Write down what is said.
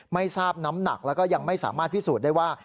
ไม่ทราบน้ำหนักแล้วก็ยังไม่สามารถพิสูจน์ได้ว่า